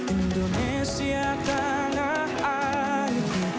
indonesia tanah airku